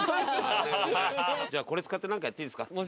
じゃあこれ使って何かやっていいですか？